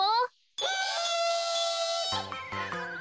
え。